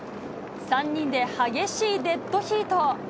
３人で激しいデッドヒート。